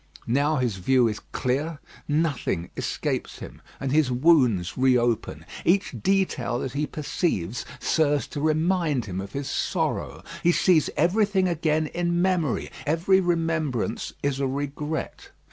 Now his view is clear, nothing escapes him; and his wounds re open. Each detail that he perceives serves to remind him of his sorrow. He sees everything again in memory, every remembrance is a regret.